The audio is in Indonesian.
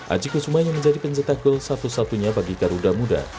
aji kusuma yang menjadi pencetak gol satu satunya bagi garuda muda